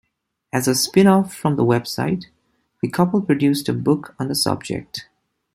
As a spinoff from the website, the couple produced a book on the subject.